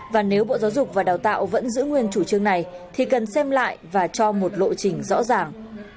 và nếu bộ giáo dục và đào tạo vẫn giữ nguyên chủ trương này thì cần xem lại và cho một lộ trình rõ ràng